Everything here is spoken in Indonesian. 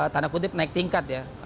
tanda kutip naik tingkat ya